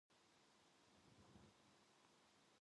그러고는 자기가 오늘 지낸 일을 모조리 잊어버렸으면 좋겠다 하였다.